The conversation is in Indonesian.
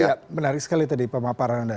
ya menarik sekali tadi pemaparan anda